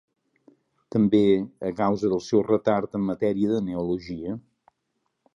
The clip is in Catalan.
També a causa del seu retard en matèria de neologia.